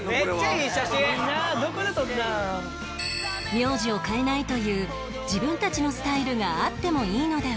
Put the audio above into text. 名字を変えないという自分たちのスタイルがあってもいいのでは？